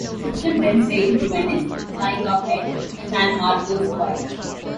The ship then sailed to Venice, tying up at San Marco Square.